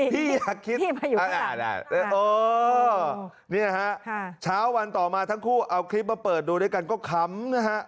อย่าคิดนี่นะฮะเช้าวันต่อมาทั้งคู่เอาคลิปมาเปิดดูด้วยกันก็ค้ำนะฮะ